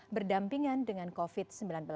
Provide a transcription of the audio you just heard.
berdampingan dengan covid sembilan belas